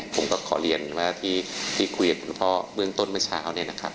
ผมก็ขอเรียนว่าที่คุยกับคุณพ่อเบื้องต้นเมื่อเช้าเนี่ยนะครับ